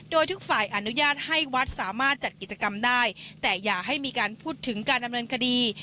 โดยทุกฝ่ายอนุญาตให้วัดสามารถจัดกิจกรรมได้แต่อย่าให้มีการพูดถึงการดำเนินคดี